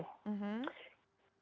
kita dibuatkan grup